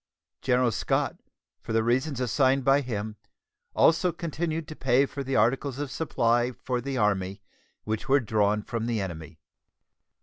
General Scott, for the reasons assigned by him, also continued to pay for the articles of supply for the Army which were drawn from the enemy.